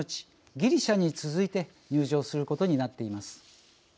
ギリシャに続いて入場することになっています。